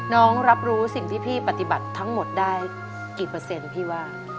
น้องรับรู้สิ่งที่พี่ปฏิบัติทั้งหมดได้กี่เปอร์เซ็นต์พี่ว่า